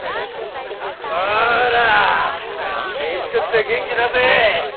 ほら飯食って元気出せ。